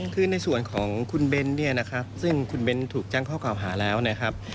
คือในส่วนของคุณเบ้นเนี่ยนะครับซึ่งคุณเบ้นถูกแจ้งข้อกล่าวหาแล้วนะครับ